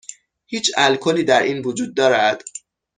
هیچ الکلی در این وجود دارد؟